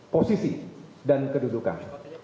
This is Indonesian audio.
posisi dan kedudukan